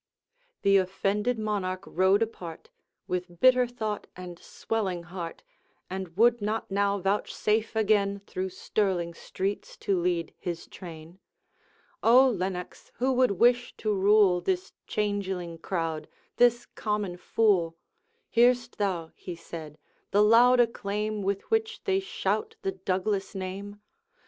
The offended Monarch rode apart, With bitter thought and swelling heart, And would not now vouchsafe again Through Stirling streets to lead his train. 'O Lennox, who would wish to rule This changeling crowd, this common fool? Hear'st thou,' he said, 'the loud acclaim With which they shout the Douglas name?